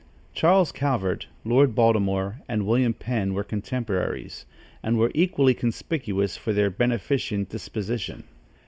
Charles Calvert, Lord Baltimore and William Penn were contemporaries, and were equally conspicuous for their beneficent disposition.